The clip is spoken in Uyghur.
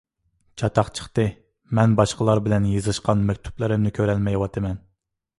چاتاق چىقتى. مەن باشقىلار بىلەن يېزىشقان مەكتۇپلىرىمنى كۆرەلمەيۋاتىمەن.